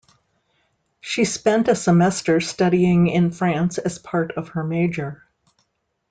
She spent a semester studying in France as part of her major.